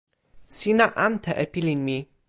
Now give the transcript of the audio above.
sina ante e pilin mi.